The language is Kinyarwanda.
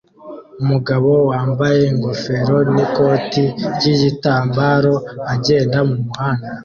Umugabo wambaye ingofero n'ikoti ry'igitambaro agenda mu muhanda